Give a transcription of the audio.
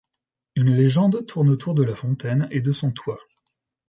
Une légende tourne autour de la fontaine et de son toit.